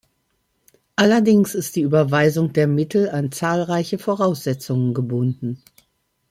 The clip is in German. Allerdings ist die Überweisung der Mittel an zahlreiche Voraussetzungen gebunden.